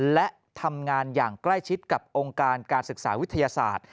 และทำงานอย่างใกล้ชิดกับองค์การการศึกษาวิทยาศาสตร์